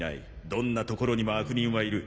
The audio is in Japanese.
どんな所にも悪人はいる。